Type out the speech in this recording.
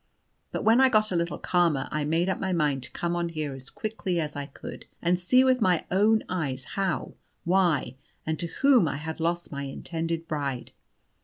But when I got a little calmer I made up my mind to come on here as quickly as I could, and see with my own eyes how, why, and to whom I had lost my intended bride.